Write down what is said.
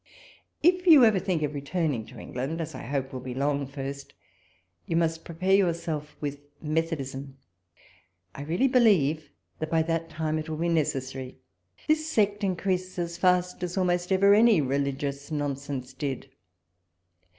If you ever thmk of returning to England, as I hope"^it will be long first, you must prepare your self with Methodism. I really believe that by that time it will be necessary : this sect in creases as fast as almost ever any religious non sense did.